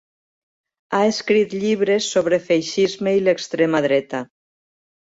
Ha escrit llibres sobre feixisme i l'extrema dreta.